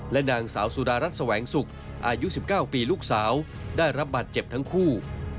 นางสาวสุดารัฐแสวงศุกร์อายุ๑๙ปีลูกสาวได้รับบาดเจ็บทั้งคู่